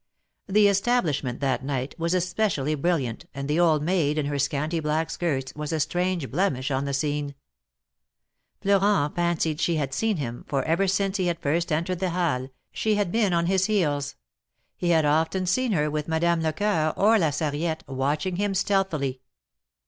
The es tablishment that night was especially brilliant, and the old maid in her scanty black skirts was a strange blemish on the scene. Florent fancied she had seen him, for ever since he had first entered the Halles, she had been at his heels — he had often seen her with Madame Lecoeur or La Sarriette, watching him stealthily.